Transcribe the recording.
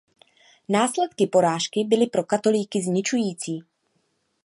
Následky porážky byly pro katolíky zničující.